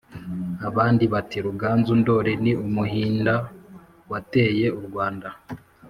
abandi bati: ruganzu ndori ni umuhinda wateye u rwanda